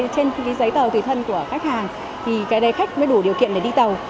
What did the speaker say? trên cái giấy tàu tùy thân của khách hàng thì cái đây khách mới đủ điều kiện để đi tàu